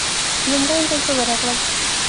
لومړۍ ورځ زه ورغلم.